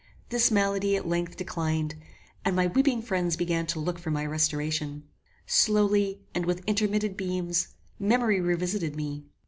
This malady, at length, declined, and my weeping friends began to look for my restoration. Slowly, and with intermitted beams, memory revisited me.